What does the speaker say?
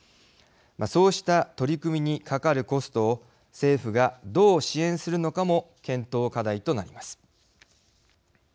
そうした取り組みにかかるコストを政府が、どう支援するのかも検討課題となります。